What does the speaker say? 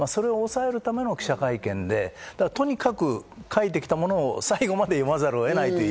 それを抑えるための記者会見で、とにかく書いてきたものを最後まで読まざるを得ない。